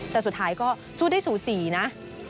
แต่สุดท้ายก็สู้ได้สูสีนะ